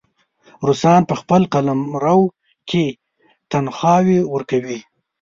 روسان په خپل قلمرو کې تنخواوې ورکوي.